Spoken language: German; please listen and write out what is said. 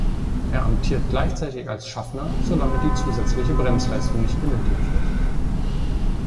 Er amtiert gleichzeitig als Schaffner solange die zusätzliche Bremsleistung nicht benötigt wird.